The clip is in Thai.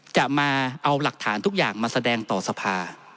จะมาเอาหลักฐานทุกอย่างมาแสดงต่อสภา